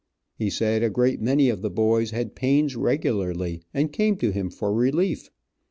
He said a great many of the boys had pains regularly, and came to him for relief.